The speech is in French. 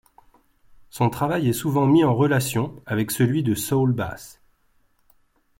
Son travail est souvent mis en relation avec celui de Saul Bass.